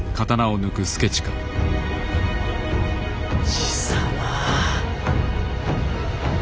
爺様。